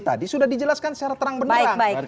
tadi sudah dijelaskan secara terang benar baik baik